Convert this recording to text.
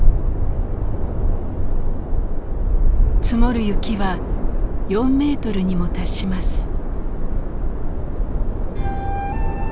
積もる雪は４メートルにも達します。